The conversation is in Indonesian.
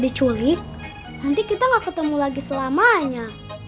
diculik nanti kita nggak ketemu lagi selamanya